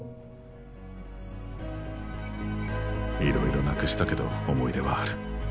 いろいろなくしたけど思い出はある。